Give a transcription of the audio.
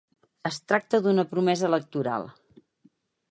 Es tracta d’una promesa electoral.